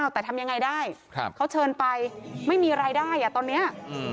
แต่ทำยังไงได้เขาเชิญไปไม่มีรายได้ตอนนี้